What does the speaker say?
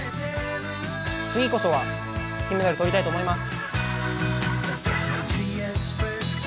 次こそは金メダルを取りたいと思います。